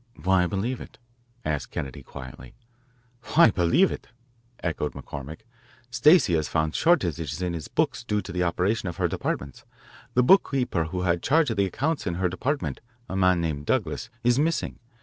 "Why believe it?" asked Kennedy quietly. "Why believe it?" echoed McCormick. "Stacey has found shortages in his books due to the operation of her departments. The bookkeeper who had charge of the accounts in her department, a man named Douglas, is missing.